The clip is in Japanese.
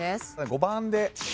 ５番で。